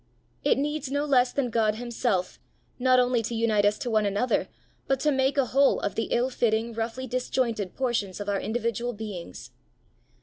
It needs no less than God himself, not only to unite us to one another, but to make a whole of the ill fitting, roughly disjointed portions of our individual beings.